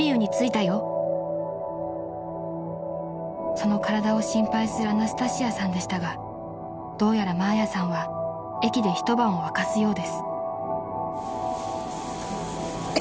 ［その体を心配するアナスタシアさんでしたがどうやらマーヤさんは駅で一晩を明かすようです］